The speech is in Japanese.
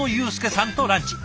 さんとランチ。